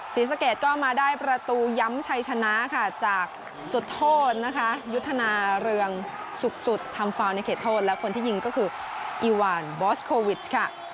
ศรีสะเกดก็มาได้ประตูย้ำชัยชนะค่ะจากจุดโทษนะคะยุทธนาเรืองสุขสุดทำฟาวในเขตโทษและคนที่ยิงก็คืออีวานบอสโควิชค่ะ